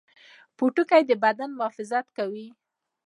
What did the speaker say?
پوټکی د بدن محافظت کوي